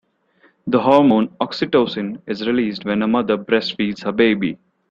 The hormone oxytocin is released when a mother breastfeeds her baby.